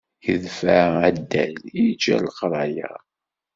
Itbeε addal, iǧǧa leqraya.